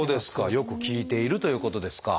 よく効いているということですか。